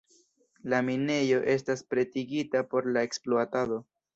La minejo estas pretigita por la ekspluatado.